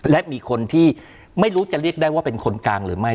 และมีคนที่ไม่รู้จะเรียกได้ว่าเป็นคนกลางหรือไม่